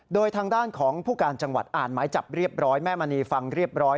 โดยทางด้านของผู้การจังหวัดอ่านหมายจับเรียบร้อยแม่มณีฟังเรียบร้อย